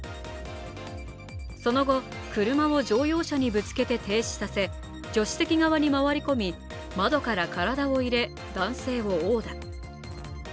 その後、車を乗用車にぶつけて停止させ、助手席側に回り込み窓から体を入れ男性を殴打。